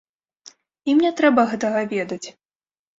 Ім не трэба гэтага ведаць.